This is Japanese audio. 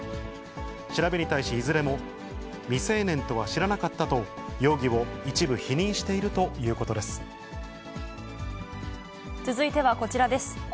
調べに対し、いずれも、未成年とは知らなかったと、容疑を一部否認していると続いてはこちらです。